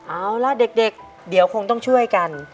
เอาล่ะเด็กเดี๋ยวคงต้องช่วยกัน